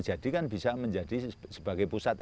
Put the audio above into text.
jadi kan bisa menjadi sebagai pusat